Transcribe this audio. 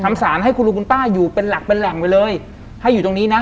สารให้คุณลุงคุณป้าอยู่เป็นหลักเป็นแหล่งไปเลยให้อยู่ตรงนี้นะ